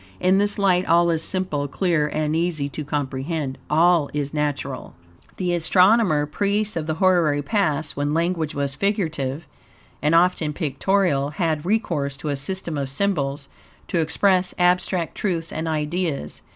In this light all is simple, clear, and easy to comprehend all is natural. The astronomer priests of the hoary past, when language was figurative, and often pictorial, had recourse to a system of symbols to express abstract truths and ideas.